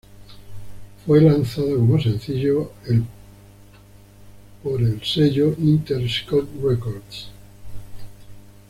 Fue lanzado como sencillo el por el sello Interscope Records.